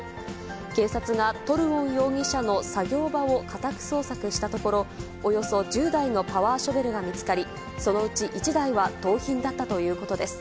警察がトルオン容疑者の作業場を家宅捜索したところ、およそ１０台のパワーショベルが見つかり、そのうち１台は盗品だったということです。